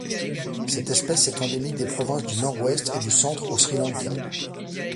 Cette espèce est endémique des provinces du Nord-Ouest et du Centre au Sri Lanka.